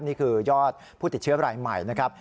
นี่คือยอดผู้ติดเชื้อรายใหม่นะครับ